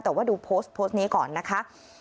แต่ว่าดูโพสต์โพสต์นี้ก่อนนะคะ